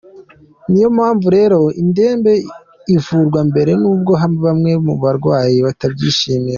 Niyo mpamvu rero indembe ivurwa mbere n’ubwo bamwe mu barwayi batabyishimira.